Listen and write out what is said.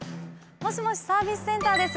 もしもしサービスセンターです。